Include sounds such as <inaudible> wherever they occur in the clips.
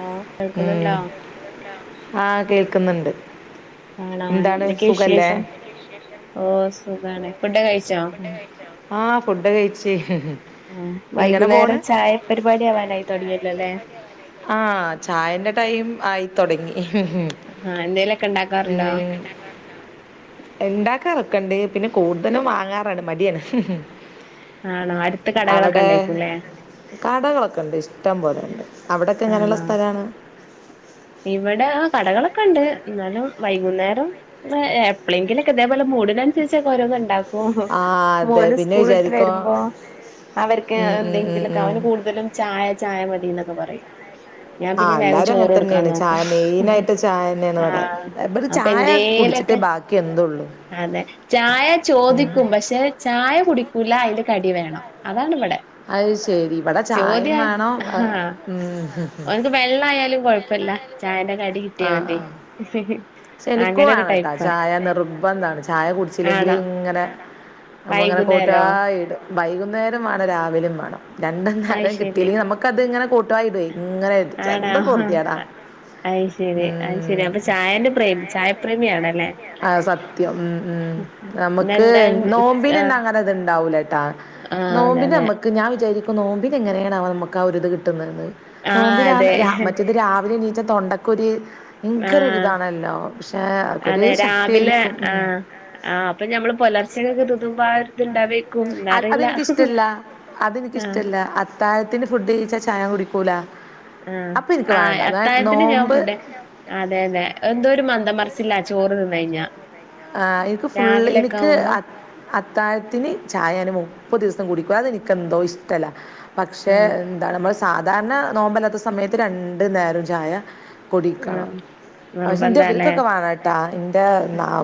ആഹ് ഉം ആഹ് കേക്കുന്നുണ്ട്! ആണാ എന്തൊക്കെ വിശേഷം? ഓ.. സുഖാണ് ഫുഡ്‌ കഴി ആഹ് ഫുഡ് കഴിച്ച് ആഹ് ഇങ്ങനെ പോണ് വൈകുന്നേരം ചായ പരിപാടി ആവാനായി തൊടങ്ങിയല്ലൊ ല്ലേ ആ ചായന്റെ ടൈം ആയിത്തൊടങ്ങി ആഹ് എന്തേലൊക്കെ ഉണ്ടാക്കാറുണ്ടോ ഉണ്ടാക്കാറക്കണ്ട് പിന്നെ കൂടുതലും വാങ്ങാറാണ് മടിയാണ് ആണോ അടുത്ത് കടകളൊക്കെ അവിടെ ഇണ്ടെകുല്ലേ കടകളൊക്കെ ഉണ്ട് ഇഷ്ടം പോലെണ്ട് അവിടെക്കെ എങ്ങനെയുള്ള ആണോ സ്ഥലാണ് ഇവിടെ ആ കടകളൊക്കെ ഉണ്ട് ഇന്നാലും വൈകുന്നേരം എപ്പളെങ്കിലൊക്കെ ഇതേപോലെ മൂടിന്നനുസരിച്ച് ഒക്കെ ഓരോന്ന് ഉണ്ടാക്കും ഓഹോ ആ അതെ മോൻ പിന്നെ സ്കൂളിട്ട് വിചാരിക്കോ വരുമ്പോ അവർക്ക് ഉം, ഉം, ഉം, എന്തെങ്കിലൊക്കെ ഉം. അവന് കൂടുതലും ചായ ചായ മതി എന്നൊക്കെ പറയും ഞാൻ ആ പിന്നെ വേഗം എല്ലാവരും അങ്ങനെ ചോറൊടുക്കാൻ തന്നെയാണ് നോക്കൂ ചായ മെയിനായിട്ട് ചായ തന്നെയാണ് ആ ഇവിടെ ഇവിടെ അപ്പൊ ചായ കുടിച്ചിട്ടേ എന്തേലൊക്കെ ബാക്കി എന്തുള്ളൂ അതെ ചായ ഉം ചോദിക്കും പക്ഷെ ചായ കുടിക്കൂല അയിൻ്റെ കടി വേണം അതാണ് ഇവിടെ അത് ശെരി ഇവിടെ ചായം വേണം ഉം വെള്ളയാലും കൊഴപ്പല്ല ചായന്റെ കടി കിട്ടിയാ മതി സെ എനിക്കും അങ്ങനെ ഒരു വേണംട്ടാ ടൈപ്പാ. ചായ നിർബന്ധമാണ് ചായ കുടിച്ചില്ലെങ്കില് ആണോ? ഇങ്ങനെ ഞമ്മൾ ഇങ്ങനെ വൈകുന്നേരോ? കോട്ടവി ഇടും വൈകുന്നേരം മാണം രാവിലെയും മാണം രണ്ട് അയ് നേരം ശരി. കിട്ടിയില്ലെങ്കിൽ നമുക്ക അത് ഇങ്ങനെ കൊട്ടുവായ ഇടുയ് ഇങ്ങനെ ഇച്ച് എന്നും പോർതിയെടാ അയ്ശെരി അയ്ശരി അപ്പൊ ചായന്റെ പ്രേമി ചായപ്രേമിയണല്ലേ ആഹ് സത്യം ഉം ഉം നമുക്ക് ഇന്നെന്താ ഉച്ച നോമ്പിന് ആഹ് ന്നങ്ങനെ ഇത് ഇണ്ടാവൂല ട്ടാ ആഹ് അതെ നോമ്പിന് അതെ. ഞമ്മക്ക് ഞാൻ വിചാരിക്കും നോമ്പിനന് എങ്ങനെയാണവൊ നമുക്ക് ആ ഒരിത് കിട്ടുന്നതന്ന് ആഹ് നോമ്പിന അതെ. ആ മറ്റേത് രാവിലെ എണീച്ച തൊണ്ടക്ക് ക്കൊരു ആഹ് ഭയങ്കരുരിതാണല്ലോ പക്ഷെ അതൊക്കെരു ശക്തി ല്ലേ ആഹ് ആഹ് അപ്പൊ ഞമ്മള് പുലർച്ചെ കൊക്കെ തിന്നുമ്പോ ആ ഒരു അ ഹ്അതെനിക്കിഷ്ടല്ല ആഹ് അതെനിക്കിഷ്ടല്ല താഴത്തിന്ന് ഫുഡ്കഴിച്ച ചായ കുടികൂല ആഹ് ആഹ് അത്തായത്തിന് ഞാൻ ഫുഡ് അതെ അതെ എന്തോ ഒരു മന്ദം മറിച്ചില്ല ചോറ് തിന്ന കഴിഞ്ഞ ആഹ് ഇനക്ക് ഫുൾ ഇന്ക്ക് അത്താ അത്താഴത്തിന് ചായ നാൻ മുപ്പത് ദിവസം കുടിക്കും അതെനിക്കെന്തോ ഇഷ്ടമല്ല പക്ഷേ ആഹ് താണ് നമ്മൾ സാധാരണ നോമ്പലാത്ത സമയത്ത് രണ്ടു നേരം ചായ കുടിക്കണം ആഹ് പക്ഷെ ഇന്റെ നിർബന്ധാല്ലേ ഇവർക്കൊക്കെ വാണംട്ടോ എന്റെ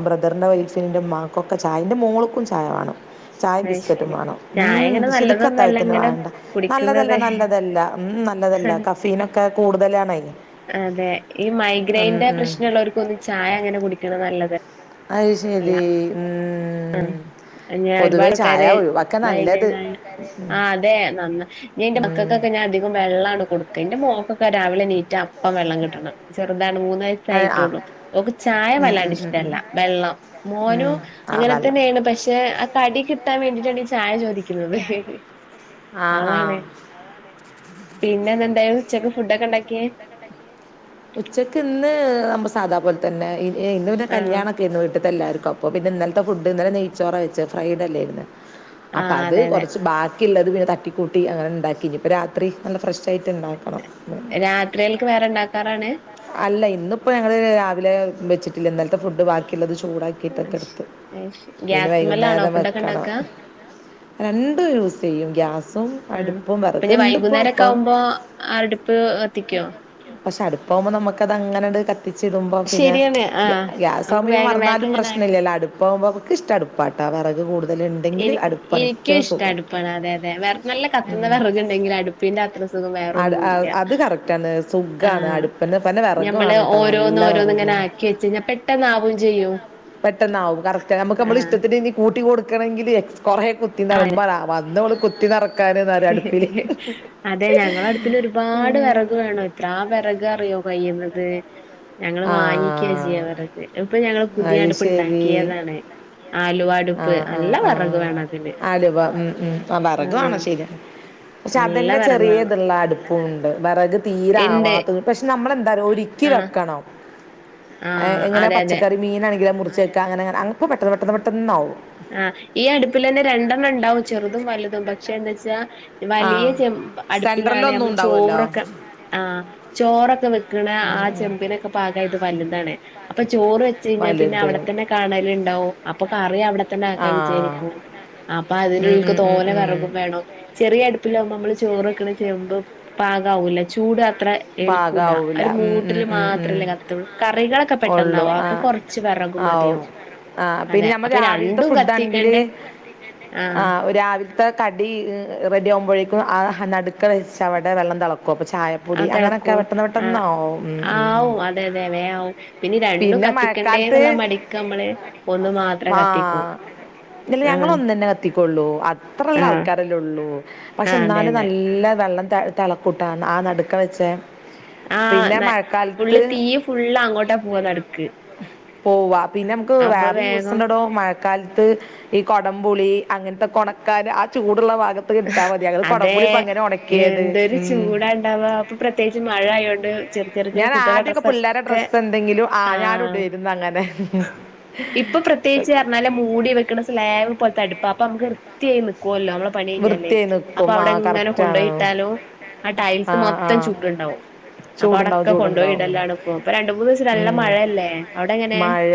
ബ്രദറിന്റെ വൈഫ്നും ഇന്റെ മ്മാക്കൊക്കെ ചായ വേണം എന്റെ മോൾക്കും ചായ വേണം ചായ അത് ബിസ്ക്കറ്റും ശരി വേണം ചായ ഉം ഇങ്ങനെ ക്ഷേ ഇന്ക് നല്ലതൊന്നും അല്ല അത്തായത്തിന് ഇങ്ങനെ വേണ്ട നല്ലതല്ല കുടിക്കുന്നത് നല്ലതല്ല ഉം നല്ലതല്ല കഫീനൊക്കെ കൂടുതലാണയിന് അതെ ഈ മൈഗ്രൈന്റെ പ്രശ്നമുള്ളവർക്ക്ഒന്നും ഈ ചായ അങ്ങനെ കുടിക്കണ നല്ലതല്ല അയ്ശേരി ഉം ഉം ഞാ പൊതുവെ ഒരുപാട് കര ചായ ഒഴിവാക്കാ നല്ലത് മൈഗ്രയ്നായ ഉം. ആ അതെ ഞാൻ ഇന്റെ ഉം. മക്കൾക്കൊക്കെ ഞാൻ വെള്ളാണ് കൊടുക്ക എന്റെ മോക്കൊക്കെ രാവിലെ നീറ്റ അപ പ്പോ വെള്ളം കിട്ടണം ചെറുതാണ് മൂന്ന് അത് ആ വയസായിട്ടോളും ഓൾക് ചായ ഉം ഉം വല്ലാണ്ട് ഉം ഉം. ഇഷ്ടല്ല വെള്ളം ഉം. മോനും ആ അങ്ങനെ വെള്ളം തന്നെയാണ് പക്ഷെ ആ കടി കിട്ടി ട്ടൻ വേണ്ടിട്ടാണ് ഈ ചായ ചോദിക്കുന്നത് ആ ആ അതാണ് പിന്നെ എന്തെനു ഉച്ചക്ക് ഫുഡ്ക്കെ ഉണ്ടാക്കിയേ ഉച്ചക്ക് ഇന്ന് നമ്മ സാധാപലെ തന്നെ ഏഹ് ഇന്ന് പിന്നെ ആഹ് കല്യാണ ഓക്കേ പിന്നെ വീട്ടത്തെ എല്ലാവർക്കും അപ്പോൾ പിന്നെ ഇന്നലത്തെ ഫുഡ് ഇന്നലെ നെയ്ച്ചോറ വെച്ച് ഫ്രൈഡ്ല്ലായിരുന്നു അപ്പൊ ആഹ് അത് അതെ അതെ കൊറച്ച് ബാക്കി ബാക്കില്ലത് പിന്നെ തട്ടിക്കൂട്ടി അങ്ങനെ ഉണ്ടാക്കി ഇപ്പോം രാത്രി നല്ല ഫ്രഷ് ആയിട്ട് ഉണ്ടാക്കണം രാത്രിയിലേക്ക് വേറെ ഉണ്ടാക്കാറാണ് അല്ല ഇന്നിപ്പോ ഞങ്ങള് രാവിലെ വെച്ചിട്ടില്ല ഇന്നലത്തെ ഫുഡ് ബാക്കിയുള്ളത് ചൂടാക്കി യിട്ടൊക്കെ എടുത്ത് ഇനി ഗ്യാസ്മലാണോ വൈകുന്നേരം ഫുഡൊക്കെ വെക്കണം ഉണ്ടാക്കുക രണ്ടും യൂസ് ചെയ്യും ഗ്യാസും അടുപ്പും വെറക് ഉണ്ട് ഇപ്പം അപ്പം - ഇപ്പൊ അടുപ്പ് കത്തിക്കോ? പക്ഷെ അടുപ്പാവുമ്പോ നമുക്ക് അത് അങ്ങനാട് - ച്ചിടുമ്പോം പിന്നെ ശരിയാണ് ആഹ് ഗ്യാസ് നമുക്ക് ആകുമ്പോ ഇനി വേഗം വേഗം മറന്നാലും ഇങ്ങനെ ആ- പ്രശ്നമില്ലല്ലോ അടുപ്പ്- ഇപ്പമ്മക് ഇഷ്ടടുപ്പാട്ടാ വിറക് കൂടു എനി എനിക്കും ഇഷ്ടം അടുപ്പാണ് അതെ അതെ വേറെ നല്ല കത്തുന്ന വിറക് ഉണ്ടെങ്കിലും അടുപ്പ- പ്പിന്റെ അത്രസുഖം അട്- ആ- വേറൊന്നുംല്ല അത് കറക്റ്റാണ് സുഖമാണ് ആഹ് അടുപ്പിന് പിന്നെ വിറക് ഞമ്മള് വേണം കേട്ടോ ഓരോന്ന് നല്ല ഓരോന്ന് ഇങ്ങനെ വിറക് ആക്കി വെച്ചെയ്നാൽ പെട്ടന്ന് ആവേം ചെയ്യും പെട്ടെന്നാവും കറക്ട് നമുക്ക് നമ്മള ആഹ് ഇഷ്ടത്തിൽ- കൂട്ടി കൊടുക്കണെങ്കില് <unintelligible> അതെ ഞങ്ങള അടുപ്പിന് ഒരുപാട് വിറക് വേണോ- എത്രാ വിറകാ അറിയോ കഴിയുന്നത് ഞങ്ങള് ആ വാങ്ങിക്കുവ ചെയ്യുന്നത് ഇപ്പൊ ഞങ്ങള് പുതിയ അത് അടുപ്പ് ഉണ്ടാക്കിയതാണ് ആലുവാട്- ആഹ് ആഹ് ആഹ് ആലുവ ഉം ഉം ആഹ് വെറക് വേണം പക്ഷെ അയിന് പക്ഷെ നല്ല അതന്നെ വിറക് ചെറിയ വേണം ഇതുള്ള അടുപ്പുംമുണ്ട് വിറക് ഇണ്ട് തീരാവാത്ത പക്ഷെ നമ്മളെന്തായും- ആഹ് ക്കിവെക്കണം <inaudible> എങ്ങന അതെ അതെ. പച്ചക്കറി മീനാണെങ്കിൽ മുറിച്ചേക്ക അങ്ങനെെ അങ്ങപ്പ പെട്ടെന്ന് പെട്ടെന്ന് പെട്ടന്നാകും ആഹ് ഈ അടുപ്പിൽ തന്നെ രണ്ടെണ്ണം ഉണ്ടാവും ചെറുതും വല്ലതും പക്ഷെ എന്ത വച്ചാ- ആ വലിയ ചെമ്പ് അടുപ്പിലാണ് സെൻട്രലൊന്നും നമ്മള് ഉണ്ടാവുമല്ലോ ചോറൊക്കെ ആഹ് ചോറൊക്കെ വെക്കണ ആ ചെമ്പിനൊക്കെ പാകയിട്ട് വലുതാണ് അപ്പൊ ചോറ് വെച്ച് കഴിഞ്ഞാൽ പിന്നെ വലുത് അവിടെ തന്നെ കാണൽ ഉണ്ടാവും അപ്പൊ കറി അവിടെ ആഹ് <unintelligible> അപ്പോ അതിന് ഉം എനക്ക് ഉം ഉം തോനേ ഉം വിറക് വേ ണം ചെറിയടുപ്പിലാകുമ്പോ നമ്മള് ചോറുവെക്കണ ചെമ്പ് പാകാവൂല ചൂട് അത്ര ഏൽക്കൂല പാകാവൂല ഒരു ഉം ഉം മൂട്ടില് ഉം ഉം മാത്രല്ലെ കത്തുള്ളൂ കറികളൊക്കെ ഒള്ളു പെട്ടെന്നാവും അപ്പൊ ആഹ് കൊറച്ച് ച്ച് വെറക് ആവും മതിയാവും ആഹ് അതെ പിന്നെ നമ്മ അപ്പൊ രാവിലത്തെ രണ്ടും ഫുഡ് ആണെങ്കില് കത്തിക്കണ്ടേ ആഹ് രാവിലത്തെ കടി റെഡി ആകുമ്പോഴേക്കും ആഹ് നടുക്ക വെച്ച അവിടെ വെള്ളം തിളക്കും അപ്പോ ചായ- ആഹ് തിളക്കും ആഹ് ഉം ഉം ആവും അതെ അതെതേ ആവും പിന്നെ രണ്ടും കത്തി- ക്കേണ്ടേ എന്നുള്ള മടിക്ക് നമ്മള് ഒന്ന് മാത്രം ആ കത്തിക്കൂ ഇല്ല ആഹ് ഞങ്ങള് ഒന്നന്നെ കത്തിക്കൊള്ളൂ അത്ര ഉള്ള ആഹ് ആൾക്കാരെല്ലേ ഉള്ളൂ പക്ഷെ ആഹ് അതെ എന്നാലും അതെ നല്ല വെള്ളം ത തിളക്കൂട്ടോ ആഹ് നടുക്ക് വെച്ചേ ആഹ് ഫുള്ള് തീയ് ഫുള്ള് അങ്ങോട്ടാ പോവാ നടുക്ക് പോവാ പിന്നെ നമുക്ക് അപ്പൊ ഭാവി വേഗം യൂസുണ്ടഡോ മഴക്ക് കാലത്ത് ഈ കൊടംപുളി അങ്ങനത്തെ കൊണക്കാ ആ ചൂടുള്ള ഭാഗത്ത്- ഇട്ടാ മതി ഞങ്ങൾ അതേ കുടംപുളി ഇപ്പോ അങ്ങനെ ഉണക്കിയത് ഉം <unintelligible> ഇപ്പൊ പ്രത്യേകിച്ച് മഴ ആയോണ്ട് ചെറിയ ചെറിയ ചെറിയ ഞാൻ കുട്ടികളെ ആദ്യമൊക്കെ ഡ്രസ് പിള്ളേരെ ഒക്കെ ഡ്രസ്സ് എന്തെങ്കിലും ആ ഞാൻ ആഹ് ഇടുമായിരുന്നു അങ്ങനെ ഇപ്പൊ പ്രത്യേകിച്ച്- നല്ല മൂടി വെക്കുന്ന സ്ലാബ് പോലത്തടുപ്പാ അപ്പം നമുക്ക് വൃത്തിയായി നിക്കുവല്ലോ നമ്മ പണി കഴിഞ്ഞല്ലേ വൃത്തിയായി അപ്പൊ നിൽക്കും ആ അവിടെ എങ്ങനെ കറക്റ്റാണ് കൊണ്ടുപോയിട്ടാലോ ആ ടൈൽസ് മൊത്തം ചൂടുണ്ടാവും അപ്പൊ ചൂടുണ്ടാവും അവിടൊക്കെ ചൂടുണ്ടാവും ഉം. കൊണ്ടുപോയിടലാണ് ഇപ്പോ ഇപ്പൊ രണ്ട മൂന്ന് ദിവസം നല്ല ഉം. മഴയല്ലേ അവിടെ എങ്ങനെ? മഴ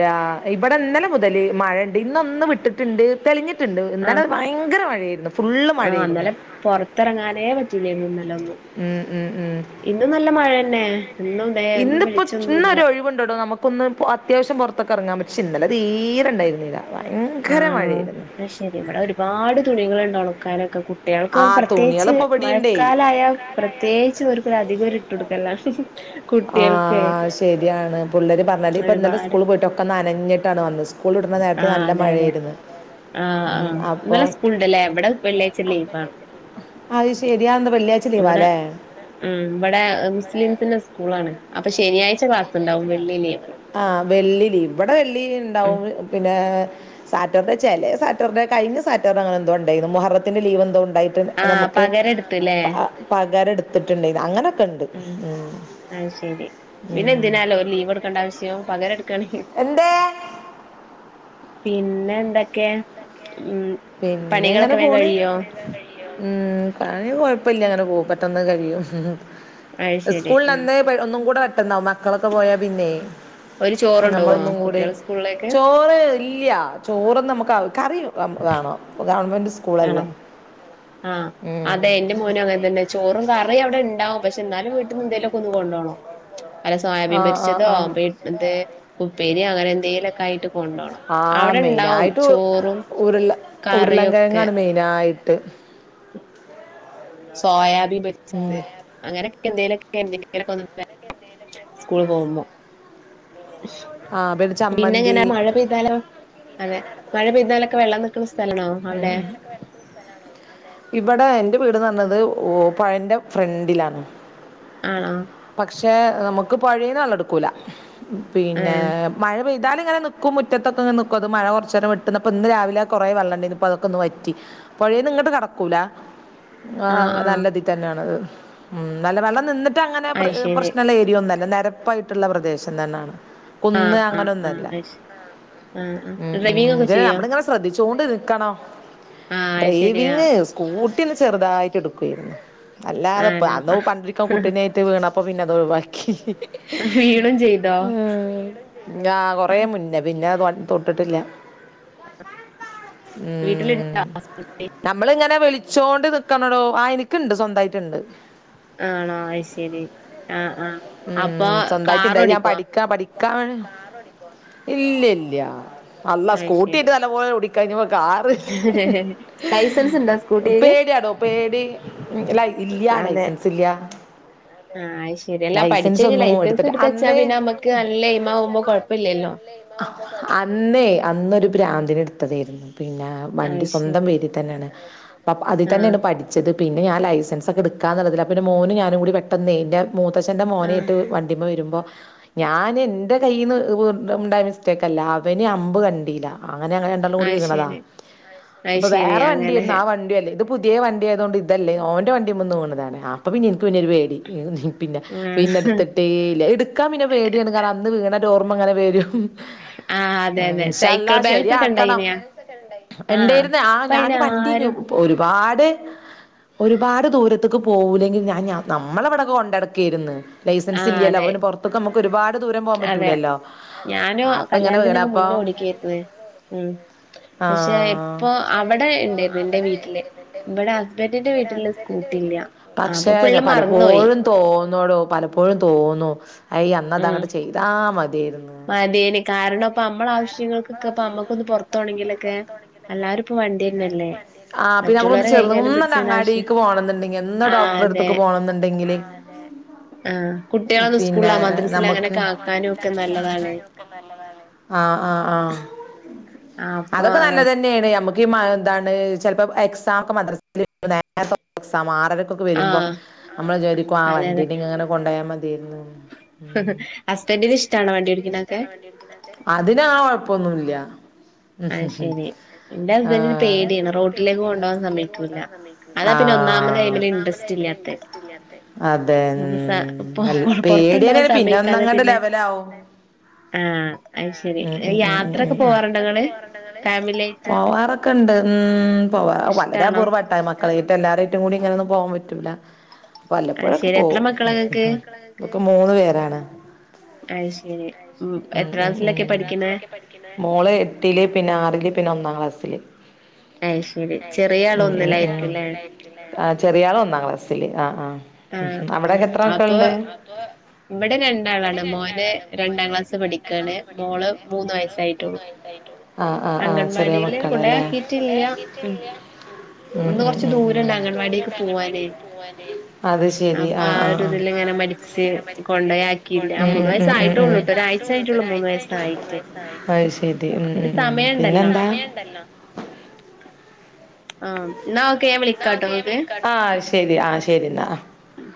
ഇവിടെ ഇന്നലെ മുതല് മഴയുണ്ട് ഇന്നൊന്ന് വിട്ടിട്ടുണ്ട് തെളിഞ്ഞിട്ടുണ്ട് ഇന്നലെ ഭയങ്കര മഴയായിരുന്നു ഫുള്ള് ആഹാ മഴയായിരുന്നു അന്നേരം പൊറത്തിറങ്ങാനേ പറ്റില്ലായിരുന്നു ഇന്നലെ ഒന്നും ഉം ഉം ഉം ഇന്നും നല്ല മഴ തന്നെ ഇന്നും ഇതേ ഇന്നും ഇന്നിപ്പോ വെളിച്ചൊന്നുല്ല ഇന്നൊരു ഒഴിവുണ്ടടോ നമുക്ക്- ഇന്ന് അത്യാവശ്യം പൊറത്തൊക്കെ ഇറങ്ങാൻ പറ്റി ഇന്നലെ തീരെ ഉണ്ടായിരുന്നില്ല ഭയങ്കര മഴയായിരുന്നു ശരി ഇവിടെ ഒരുപാട് തുണികള്ണ്ട് ഒണക്കാനൊക്കെ കുഞ്ഞിന്റെ - കുട്ടികൾക്ക് ആ തുണികൾ പ്രത്യേകിച്ച് ഇപ്പൊ ഇവിടെ ഉണ്ടേ മഴക്കാലയാൽ പ്രത്യേകിച്ച് അവർക്കരു അധികം ഇട്ട് കൊടുക്കല്ലാണ് ആഹ് ശരിയാണ് പുള്ളേര് പറഞ്ഞാല് ഇപ്പ ഇന്നലെ ഒരുപാട് സ്കൂള് പോയിട്ട നനഞ്ഞിട്ടാണ് വന്നത്. സ്കൂൾ വിടുന്ന നേരത്ത് ആഹ് നല്ല അതെ അതെ മഴയായിരുന്നു ആഹ് ഉം, ആഹ് ഇന്നലെ അപ്പോൾ സ്കൂൾ ഉണ്ടല്ലേ എവിടെ വെള്ളിയാഴ്ച ലീവ് ആണ്. അത് ശരിയാ എന്താ വെള്ളിയ ഇവിടെ ഉം ഇവിടെ മുസ്ലിംസിന്റെ സ്കൂളാണ് അപ്പൊ ശനിയാഴ്ച ക്ലാസ് ഉണ്ടാവും വെള്ളിലീവ്. ആഹ് വെള്ളി ലീവ് ഇവിടെ വെള്ളി ഉം ഇണ്ടാവും പിന്നെ- സാറ്റർഡേ ചെലേ സാറ്റർഡേ കഴിഞ് സാറ്റഡേ അങ്ങെ എന്തോ ഉണ്ടായിരുന്നു മുഹറത്തിന്റെ ലീവ എന്തോ ഉണ്ടായി ആഹ് നമുക്ക് പകരം എടുത്തുല്ലേ പകരം എടുത്തിട്ടുണ്ടയ്ന്നു അങ്ങനെ ആഹ് അത് ശരി പിന്നെ ഉം. എന്തിനാല് ഒരു ലീവ് എടുക്കേണ്ട ആവശ്യവും പകരം എടുക്കയാണെങ്കി- എന്തേ പിന്നെ എന്തൊക്കെയാ ഉം പിന്നെ ഇങ്ങനെ പണികളൊക്കെ വേഗം പോണ് കഴിയോ ഉം പണി കൊഴപ്പില്ല അങ്ങനെ പോകും പെട്ടന്ന് കഴിയും അത് ശരി സ്കൂള് ഉം അന്നേ - ഇപ്പൊ ഒന്നും കൂടെ പെട്ടുന്നാവും. മക്കളൊക്കെ പോയാ പിന്നെ ഓര് ചോറുണ്ടോവോ നമ്മളൊന്നും കൂടി കുട്ടികള് സ്കൂളിലേക്ക് ചോറ് ഇല്യ ചോറും നമുക്ക് കറി വേണ ഗവൺമെന്റ് സ് ആണോ ആഹ് അതെ എന്റെ മോനും അങ്ങനെ തന്നെ ചോറും കറിയും അവിടെ ഇണ്ടാവും പക്ഷെ എന്നാലും വീട്ടിൽന്ന് എന്തെലും ഒക്കെ ഒന്ന് കൊണ്ടോണം വല്ല സോയാബീൻ ആഹ് ആഹ് പൊരിച്ചതോ ആഹ് ബി എ ഉപ്പേരി അങ്ങനെ എന്തെലുമക്കെ ആയിട്ട് - കൊണ്ടോണം ആഹ് അവിടെ ഇണ്ടാവും മെയിനായിട്ട് ചോറും ഉരുള കറിയും ഒക്കെ. ഉരുളൻകിഴങ്ങാണ് മെയിനായിട്ട് സോയാബിൻ ഉം പൊരിച്ചത്. അങ്ങനെയൊക്കെ എന്തെലോക്ക ഒണ്ടെങ്കിൽ <unintelligible> എന്ത സ്കൂള് പോകുമ്പോ. ആഹ് പിന്നെ ചമ്മന്തി ഞാനാ മഴ പെയ് താലൊ മഴ പെയ്താലൊക്കെ വെള്ളം നിൽക്കണ സ്ഥല അങ്ങനൊക്കെ. ഇവിടെ എന്റെ വീടെന്ന് പറഞ്ഞത് ഓ പൊഴന്റെ ഫ്രണ്ടിലാണ്. ആണോ. പക്ഷേ നമുക്ക് പൊഴെന്ന് വെള്ളടുകൂല്ല ഏഹ് പിന്നെ- മഴ പെയ്താല് ഇങ്ങെ നിക്കും മുറ്റത്തൊക്കെ ഇങ്ങെ നിക്കും അത് മഴ കൊറച്ച് നേരം വിട്ട്ന്നപ്പോ ഇന്ന് രാവിലെ കുറേ വെള്ളണ്ടയ്ന്ന് ഇപ്പ അതൊക്കെ ഒന്ന് വറ്റി. പോഴെന്ന് ഇങ്ങട്ട് കടക്കൂല. ആ ആഹ് ആഹ് നല്ലതിൽ തന്നെയാണ്ത് ഉ നല്ല വെള്ളം നിന്നിട്ട് അങ്ങനെ- അയ് ശരി പ്രശ്നവുള്ള ഏരിയ ഒന്നുല്ല നേരപ്പായിട്ടുള്ള പ്രദേശം തന്നെണ്. കുന്ന് ആഹ് അങ്ങന ആഹ് ആഹ് ഒന്നുമല്ല അയ് ശ ആഹ് ആഹ് ഉം ഉം ഡ്രൈവിംഗ് ഒക്കെ ഉം ചെയ്യോ നമ്മള ഇങ്ങനെ സ് ശ്രദ്ധിച്ചൊണ്ട് നിക്കണം ആഹ് അയ് ശരിയാ ഡ്രൈവിങ് സ്‌ക്കുട്ടി ഒന്ന് ചെറുതായിട്ട് എടുക്കുവയിരുന്നു അല്ലാതെ ആനോ അന്ന് പണ്ടിരിക്ക കുട്ടീനേട്ട് വീണ അപ്പൊ പിന്നെ അത് ഒഴിവാക്കി. വീണും ചെയ്തോ ആ കൊറ മുന്നേ പിന്നെ ഞാ തൊട്ടിട്ടില്ല. മ്മ്. വീട്ടിലുണ്ടോ <unintelligible> നമ്മളിങ്ങനെ വിളിച്ചോണ്ട് നിക്കണടോ ആ എനിക്കുണ്ട് സ്വന്തമായിട്ട് ഇണ്ട് ആണോ അത് ശരി ആഹ് ആഹ് അപ്പൊ ഉം സ്വന്തമായിട്ട്ണ്ടായിട്ട് ഞാൻ കാറോടിക്കോ പഠിക്കാ പഠി കാറ് ഓടിക്കോ ഇല്ല ഇല്ല അള്ളാ അയ് സ്കൂട്ടിട്ട് ശരി നല്ലപോലെ ഓടി കഴിഞ്ഞപ്പം കാറ് ലൈസൻസ് ഉണ്ടോ സ്കൂട്ടിക്ക് പേടിയാടോ പേടി ഇല്യ അതെ ലൈസൻസ് ഇല്യ ആഹ് ശരിയല്ല പഠിച്ച കഴിഞ് ഒന്നും ലൈസൻസ് എടുത്തിട്ട് എടുത്തച്ചാ അന്ന് പിന്നെ നമ്മുക്ക് നല്ലെ ഇമമാവുമ്പോ കൊഴ്പ്പയില്ലല്ലോ അന്ന് അന്നൊരു ഭ്രാന്തിന് എടുത്തതായിരുന്നു പിന്നെ- വണ്ടി അയ് സ്വന്തം ശരി വീട്ടി തന്നെയാണ് അപ്പം അതി ആഹ് തന്നെയാണ് പഠി ച്ചത് പിന്നെ ഞാ ലൈസൻസ് ക്കെ ട്ക്കാ ന്നുള്ളതീല് അപ്പ പിന്ന മോന് ഞാനും കൂടി പെട്ടെന്നെ ഇന്റെ മൂത്ത ച്ചന്റെ ആഹ് മോനെട്ട് വണ്ടിമ്മെ വരുമ്പോ. ഞാൻ ഇൻ്റെ കയ്യിന്ന് ഉണ്ടായ മിസ്റ്റേക്കല്ല അവന് അമ്പ് കണ്ടീലാ അങ്ങനെ ഞങ്ങൾ രണ്ടാളും കൂടി അയ് വീണതാ, ശരി അത് അപ്പൊ ശെരി വേറെ വണ്ടി അങ്ങനെ വന്ന് ആ വണ്ടിയല്ലേ ഇത് പുതിയ വണ്ടി ആയതുകൊണ്ട് ഇതല്ലേ ഓന്റെ വണ്ടിമന്ന് വീണതാണ്, അപ്പൊ പിന്നെ ഇൻക്ക് പിന്നൊരു പേടി. പിന്നെ ആഹ് പിന്നെ എടുത്തിട്ടേല്ല, ഇട്ക്കാൻ പിന്നെ പേടിയാണ്, കാരണം അന്ന് വീണ ഒരു ഓർമ്മ ങ്ങനെ വരും. ആഹ് അതെ അതെ സൈക്കിൾ ഇൻഷാഅല്ലാഹ് ബാലൻസ് ഒക്കെ ശരിയാക്കണം. ഇണ്ടായിനാ ആഹ് ഇണ്ടായിരുന്നു ആ ഇപ്പ ഞാന് അയിന് വണ്ടി ആരും ഒരുപാട് ഒരുപാട് ദൂരത്തക്ക് പോവൂലെങ്കിലും ഞാൻ നമ്മള ഇവിടെക്കെ കൊണ്ടട ക്കെര്ന്ന് ലൈസൻസ് ആഹ് ഇല്ലല്ലോ, അതെ അപ്പോ പിന്നെ പുറത്ത്ക്ക് മ്മക്ക് ഒരുപാട് ദൂരം പോവാൻ അതെ പറ്റൂലല്ലോ. ഞാനും അപ്പൊ ഇങ്ങനെ കല്യാണത്തിന്റെക്കെ വീണപ്പൊ മുന്നെ ഓടിക്കായിരുന്നു. ഉം ആ പക്ഷെ ഇപ്പോ അവിടെ ഇണ്ടയിര്ന്നു ന്റെ വീട്ടില്. ഇബടെ ഹസ്ബന്റിന്റെ വീട്ടില് സ്കൂട്ടില്ല, അപ്പോ പക്ഷേ ഫുള്ള് മറന്നോയി. പലപ്പോഴും തോന്നോടോ പലപ്പോഴും തോന്നും അയി അന്നത് ഉം അങ്ങോട്ട് ചെയ്താ മതിയായിരുന്നു. മതിയേനി കാരണം പ്പം നമ്മള ആവശ്യങ്ങൾക്കൊക്കെ പ്പോ നമ്മക്ക് പുറത്തൊണെങ്കിലൊക്കെ എല്ലാരും ഇപ്പോ വണ്ടി തന്നല്ലേ. ആഹ് പിന്നെ നമ്മുക്ക് ചെറു ഒന്നണ്ട് അങ്ങാടിക്ക് പോണംന്നുണ്ടെങ്കില് ഒന്ന് ആഹ് അതെ ഡോക്ടറടുത്തക്ക് പോണംന്നുണ്ടെങ്കില്. ആഹ് കുട്ടികളൊന്ന് പിന്നെ സ്കൂളിലാ മദ്രസിൽ നമ്മുക്ക് അങ്ങനെയൊക്കെ ' <inaudible> ' ആക്കാനും ഒക്കെ നല്ലതാണ്. നല്ലതാണ്. ആഹ് ആഹ് ആഹ് ആഹ് അപ്പൊ അതൊക്കെ ആഹ് നല്ലതന്നെണ് നമ്മു ഇ മഴഎന്താണ് ചിലപ്പോ എക്സാം ഒക്കെ മദ്രസ നേരത്തെ എക്സാം ആറരക്ക് ക്കെ വരുമ്പോ ആഹ് നമ്മള് വിചാരിക്കും ആ അതെ അതെ വണ്ടീലിങ്ങനെ കൊണ്ടോയാ മതിയാരുന്നു. ഹസ്ബൻഡിന് ഇഷ്ടാണോ വണ്ടി ഓടിക്കുന്നതൊക്കെ. അതിന ആ കൊഴപ്പൊന്നുല്ല. അത് ശരി എന്റെ ഹസ്ബൻഡിന് ആഹ് എന്റെ പേടിയാണ് ഹസ്ബൻഡിന് റോട്ടിലേക്ക് പേടിയാണ്. കൊണ്ടുപോകാൻ റോഡിലേക്ക് കൊണ്ട് സമ്മതിക്കൂല്ല. പോവാൻ സമ്മതി അതാ പിന്നെ ആഹ് ഒന്നാമത് ആതാപിന്നെ അയിമല് ഒന്നാമത് ഇൻട്രസ്റ്റ് അയി മല് ഇല്ലാത്തെ. ഇൻഡ്രസ്റ്റ് ഇല്ലാത്തെ പെൻ അപ്പൊ നല്ല സ പൊറത്ത് പേടിയനെ കൊണ്ടോവാൻ പിന്നെ സമ്മതിക്കാതെ ഒന്നങ്ങാട് പിന്നെ ലെവലാവും. ആഹ് അയ്ശരി ഉം ഉം ഉം ഉം ഉം യാത്രക്കെ ഉം പോവാറുണ്ടോ നിങ്ങള്. പോവാറൊക്കെ ഉണ്ട്, ഉം പോവാ വളരെ ഇഷ്ടാണോ? അപൂർവ്വട്ടോ. കളയിട്ട് എല്ലാരൈട്ടും കൂടി ഇങ്ങനെയൊന്നും പോവാൻ പറ്റൂല. അത് വല്ലപ്പോഴൊക്കെ ശരി മക്കളാ ഇങ്ങക്ക്? എത്ര മക്കളാ നിങ്ങക്ക് നിക്ക് മൂന്ന് പേരാണ്. അയ്ശരി ഉം എത്ര ഉം ക്ലാസിലൊക്കെ ഉം പഠിക്കുന്നേ. മോള് എട്ടില് പിന്നെ ആറില് പിന്നെ ഒന്നാം ക്ലാസ്സില്. അയ് ശരി ചെറിയ അയ്ശരി ഉം ആള് ഉം ചെറിയ ആള് ഒന്നിലായിരിക്കുംല്ലേ ഒന്നിലായിരിക്കും. ആഹ് ചെറിയാള് ഒന്നാം ക്ലാസ്സില്, ആഹ് ആഹ് ആഹ് അവിടൊക്കെ ആഹ് എത്ര മക്കൾ അപ്പൊ ഉണ്ട്. ഇവിടെ ഇവിടെ രണ്ടാളാണ് മോന് രണ്ടാളാണ്, രണ്ടാം മോന് ക്ലാസ് രണ്ടാം പഠിക്കാണ് ക്ലാസ് മോള് പഠിക്കാണ്. മൂന്ന് മോള് മൂന്ന് വയസ്സായിട്ടുള്ളൂ വയസ്സായിട്ടുള്ളൂ. ആഹ് ആഹ് ആഹ് ചെറിയ അംഗൻവാടിയില് മക്കളല്ലേ. കെണ്ട യാ കൊണ്ടയാക്കിട്ടില്ല കീട്ടും ഉം ല്ല ഉം ഇവിടുന്ന് ഉം ഉം കൊറച്ച് ഉം, ഇവിടെന്ന് ദൂരണ്ട് കുറച്ച് അംഗൻവാടിക്ക് ദൂരംണ്ട് പോവാനേ അംഗൻവാടിക്ക് പോകാൻ അത്ശ ശരി അപ്പൊ ആ ആഹ് ആഹ് ഒരു ആഹ്, ഇതില് അപ്പോ ആ ഇങ്ങനെ ഒര്തീല് മടിച്ച് ങ്ങനെ മടിച്ച് കൊണ്ടയാക്കിയില്ല ആ കൊണ്ടോയാക്കി മൂന്ന് ഉം ഉം ഉം ഉം ഉം വയസ്സായിട്ടോള്ളൂട്ടോ ഒരാഴ്ച വയസ്സായിട്ടുള്ളു ആയിട്ടുള്ളൂ മൂന്ന് ഒരാഴ്ച്ചായി. വയസ്സായിട്ട് വയസ്സായിട്ട്, അയ്ശരി അപ്പൊ ഉം പിന്നെ ഉം ഉം സമയണ്ടല്ലോ പിന്നെന്താ? ആഹ് ന്നാ ഓക്കെ ഞാൻ വിളിക്കാട്ടോ നിങ്ങക്ക്. ആഹ് ശരി ആ ശരി ന്നാ. ഉം